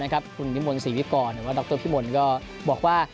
คุณวิมลศรีวิกรหรือว่าดรพิมลก็บอกว่า